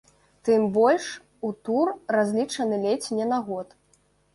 Тым больш, у тур, разлічаны ледзь не на год.